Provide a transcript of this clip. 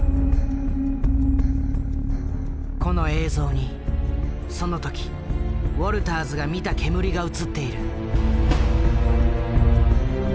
この映像にその時ウォルターズが見た煙が写っている。